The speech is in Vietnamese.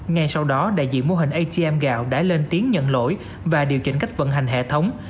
ngay sau đó đại diện mô hình atm gạo đã lên tiếng nhận lỗi và điều chỉnh cách vận hành hệ thống